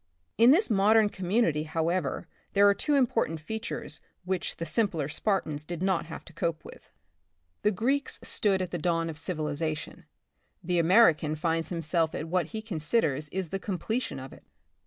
In this modern community, however, there are two important features which the sim pler Spartans did not have to cope with. 46 The Republic of the Future, The Greeks stood at the dawn of civilization. The American finds himself at what he con siders is the completion of it.